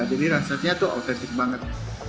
jadi rasanya tuh otentik banget